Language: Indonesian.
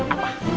mau makan apa